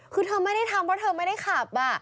คือเธอไม่ได้ทำเพราะเธอไม่ได้ขับ